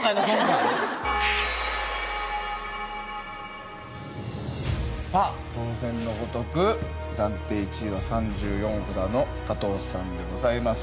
さあ当然のごとく暫定１位は３４札の加藤さんでございます。